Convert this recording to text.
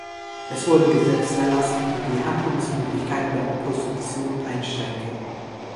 Es wurden Gesetze erlassen, die die Handlungsmöglichkeiten der Opposition einschränken.